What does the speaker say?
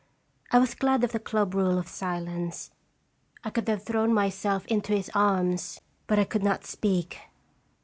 I was glad of the club rule of silence. I could have thrown myself into his arms, but I could not speak.